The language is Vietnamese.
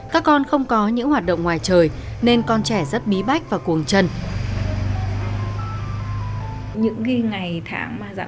các con không có những hoạt động tâm trí